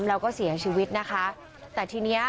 แล้วก็เสียชีวิตนะคะแต่ทีเนี้ย